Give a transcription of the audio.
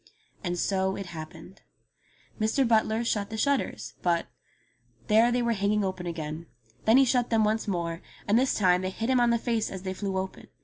And so it happened. Mr. Butler shut the shutters, but — bru u u ! there they were hanging open again. Then he shut them once more, and this time they hit him on the face as they flew open.